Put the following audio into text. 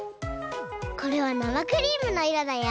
これはなまクリームのいろだよ！